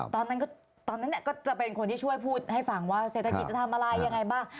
ตอนนั้นก็ตอนนั้นก็จะเป็นคนที่ช่วยพูดให้ฟังว่าเศรษฐกิจจะทำอะไรยังไงบ้าง